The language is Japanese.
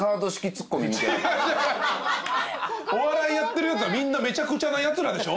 お笑いやってるやつはみんなめちゃくちゃなやつらでしょ。